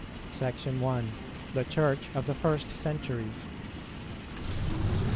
SECTION I. THE CHURCH OF THE FIRST CENTURIES.